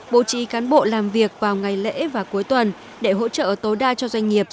bố trí cán bộ làm việc vào ngày lễ và cuối tuần để hỗ trợ tối đa cho doanh nghiệp